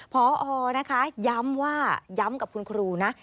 พอนะคะย้ำว่าย้ำกับคุณครูนะ